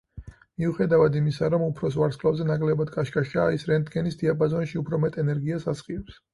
მიუხედავად იმისა, რომ უფროს ვარსკვლავზე ნაკლებად კაშკაშაა, ის რენტგენის დიაპაზონში უფრო მეტ ენერგიას ასხივებს.